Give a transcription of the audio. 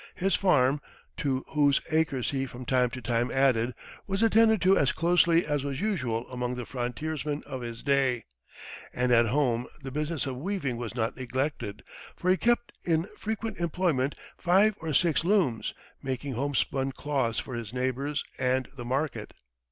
His farm, to whose acres he from time to time added, was attended to as closely as was usual among the frontiersmen of his day; and at home the business of weaving was not neglected, for he kept in frequent employment five or six looms, making "homespun" cloths for his neighbors and the market.